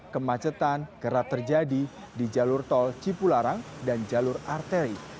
kemacetan kerap terjadi di jalur tol cipularang dan jalur arteri